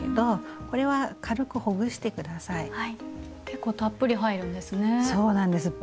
結構たっぷり入るんですね。